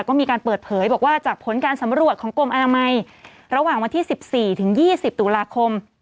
ก็มีการเปิดเผยบอกว่าจากผลการสำรวจของกรมอนามัยระหว่างวันที่๑๔ถึง๒๐ตุลาคม